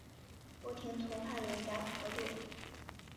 不停从她脸颊滑落